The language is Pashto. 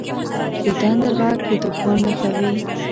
• د تندر ږغ د طوفان نښه وي.